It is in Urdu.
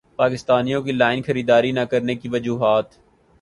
پاکستانیوں کی لائن خریداری نہ کرنے کی وجوہات